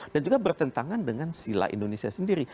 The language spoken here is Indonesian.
dan juga bertentangan dengan sila indonesia sendiri